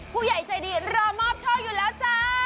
ผู้ใหญ่ใจดีรอมอบโชคอยู่แล้วจ้า